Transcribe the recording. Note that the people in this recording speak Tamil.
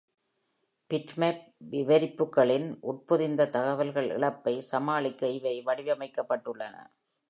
bitmap விவரிப்புக்குளின் உட்பொதிந்த தகவல்கள் இழப்பை சமாளிக்க இவை வடிவமைக்கப்பட்டுள்ளன.